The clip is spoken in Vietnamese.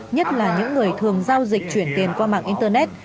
nhất là những người thường giao dịch chuyển tiền qua mạng internet